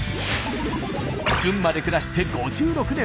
群馬で暮らして５６年。